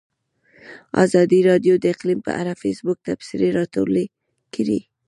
ازادي راډیو د اقلیم په اړه د فیسبوک تبصرې راټولې کړي.